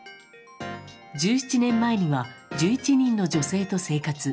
１７年前には１１人の女性と生活。